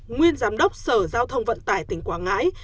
nguyên giám đốc sở giao thông vận tải tỉnh quảng ngãi